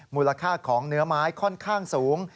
มูลค่าของเนื้อไม้ค่อนข้างสูง